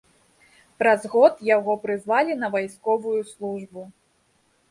Праз год яго прызвалі на вайсковую службу.